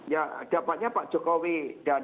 ya dapatnya pak jokowi dan